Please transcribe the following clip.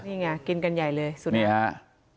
นี่ไงกินกันใหญ่เลยสุดนี้ครับ